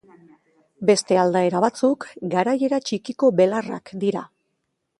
Beste aldaera batzuk garaiera txikiko belarrak dira.